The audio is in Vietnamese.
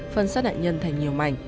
phân xác nạn nhân thành nhiều mảnh